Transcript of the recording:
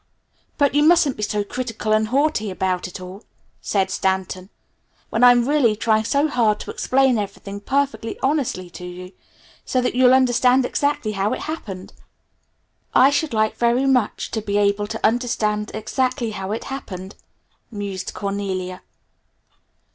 "But you mustn't be so critical and haughty about it all," protested Stanton, "when I'm really trying so hard to explain everything perfectly honestly to you so that you'll understand exactly how it happened." "I should like very much to be able to understand exactly how it happened," mused Cornelia.